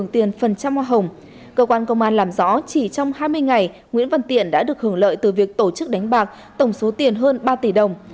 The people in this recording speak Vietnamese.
trong hai mươi ngày nguyễn văn tiện đã được hưởng lợi từ việc tổ chức đánh bạc tổng số tiền hơn ba tỷ đồng